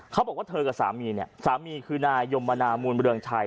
เขาบอกว่าเธอกับสามีเนี่ยสามีคือนายยมมนามูลเรืองชัย